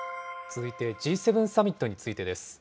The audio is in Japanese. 続いてＧ７サミットについてです。